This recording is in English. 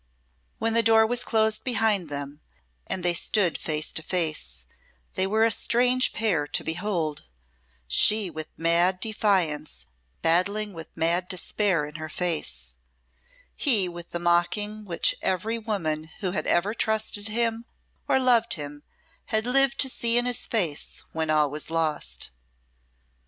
When the door was closed behind them, and they stood face to face, they were a strange pair to behold she with mad defiance battling with mad despair in her face; he with the mocking which every woman who had ever trusted him or loved him had lived to see in his face when all was lost.